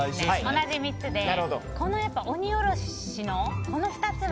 同じ３つで鬼おろしの、この２つが。